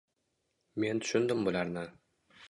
Men tushundim bularni